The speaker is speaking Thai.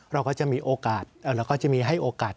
เราก็จะมีโอกาสเราก็จะมีให้โอกาส